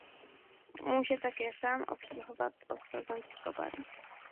Může také sám obsluhovat osazenstvo baru.